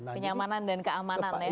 kenyamanan dan keamanan ya